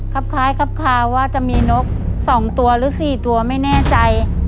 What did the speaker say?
ครับคล้ายครับคาว่าจะมีนก๒ตัวหรือ๔ตัวไม่แน่ใจ